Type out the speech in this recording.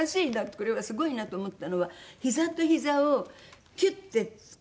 これはすごいなと思ったのはひざとひざをキュッてくっつけるんです。